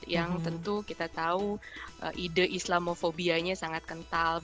yang tentu kita tahu ide islamofobianya sangat kental